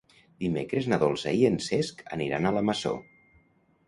Dimecres na Dolça i en Cesc aniran a la Masó.